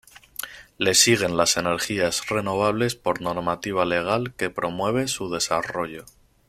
Le siguen las energías renovables por normativa legal que promueve su desarrollo.